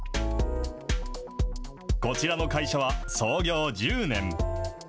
こちらの会社は、創業１０年。